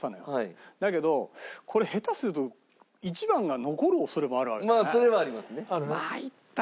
だけどこれ下手すると１番が残る恐れもあるわけだよね。